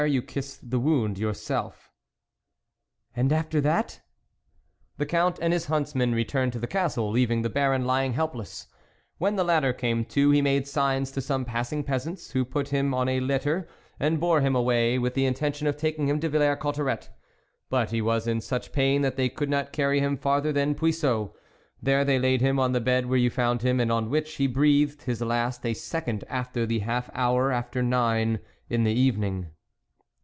. you kissed the wound yourself." " And after that ?"" The Count and his huntsman returned to the Castle, leaving the Baron lying helpless ; when the latter came to, he made signs to some passing peasants, who put him on a litter, and bore him away, with the intention of taking him to Villers Cotterets ; but he was in such pain, that they could not carry him far ther than Puiseux ; there they laid him on the bed where you found him, and on which he breathed his last a second after the half hour after nine in the evening."